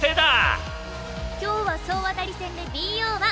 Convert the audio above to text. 今日は総当たり戦でＢＯ１。